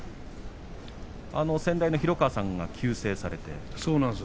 先代の廣川さんが急逝されて。